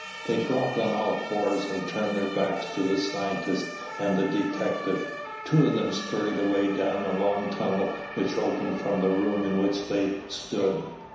They dropped on all fours and turned their backs to the scientist and the detective. Two of them scurried away down a long tunnel which opened from the room in which they stood.